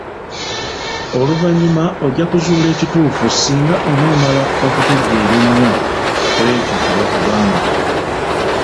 Oluvannyuma ojja kuzuula ekituufu singa onoomala okutegereza ennyo ku ekyo kye bakugamba.